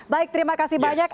baik terima kasih banyak